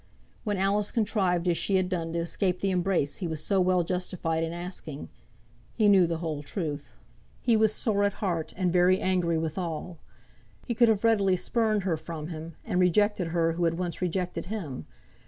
When Alice contrived as she had done to escape the embrace he was so well justified in asking, he knew the whole truth. He was sore at heart, and very angry withal. He could have readily spurned her from him, and rejected her who had once rejected him.